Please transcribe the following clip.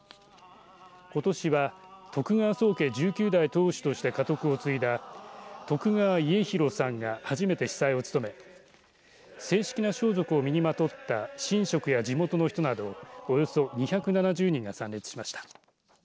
ことしは徳川宗家１９代当主として家督をついだ徳川家広さんが初めて司祭を務め正式な装束を身にまとった神職や地元の人などおよそ２７０人が参列しました。